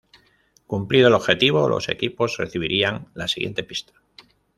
Cumplido el objetivo, los equipos recibirían la siguiente pista.